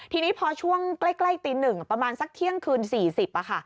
ทีนี้พอช่วงใกล้ตีหนึ่งประมาณสักเที่ยงคืนสี่สิบ